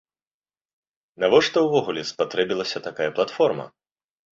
Навошта ўвогуле спатрэбілася такая платформа?